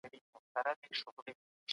ثروت اغېز لري.